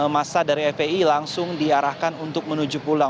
masa dari fpi langsung diarahkan untuk menuju pulang